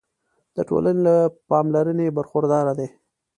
د ټولنې له پاملرنې برخورداره دي.